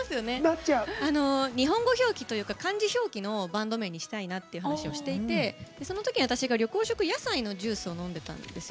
日本語表記というか漢字表記のバンド名にしたいなという話をしていてその時、私が緑黄色野菜のジュースを飲んでたんです。